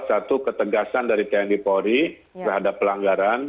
satu ketegasan dari tni polri terhadap pelanggaran